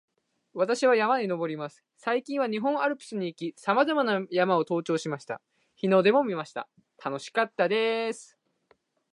私は山に登ります。最近は日本アルプスに行き、さまざまな山を登頂しました。日の出も見ました。楽しかったです